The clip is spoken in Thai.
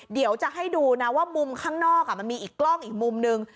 เดี๋ยวจะให้ดูนะว่ามุมข้างนอกมันมีอีกกล้องอีกมุมนึง